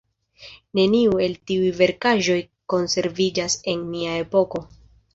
Neniu el tiuj verkaĵoj konserviĝas en nia epoko.